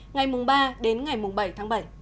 ngày ba đến ngày bảy tháng bảy